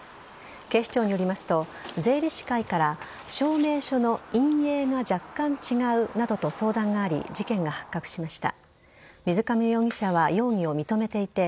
警視庁によりますと税理士会から証明書の印影が若干違うなどと相談があり、事件が発覚しました。